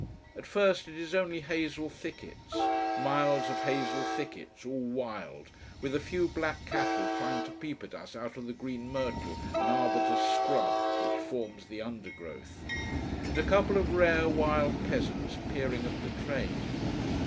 At first it is only hazel thickets, miles of hazel thickets, all wild, with a few black cattle trying to peep at us out of the green myrtle and arbutus scrub which forms the undergrowth; and a couple of rare, wild peasants peering at the train.